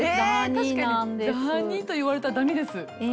確かに「ダニ」と言われたらダニです。